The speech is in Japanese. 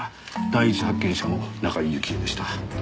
第一発見者も中井雪絵でした。